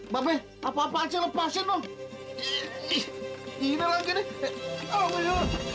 bapak apa apaan sih lepasin dong ini lagi nih